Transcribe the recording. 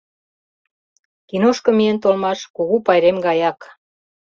Киношко миен толмаш — кугу пайрем гаяк.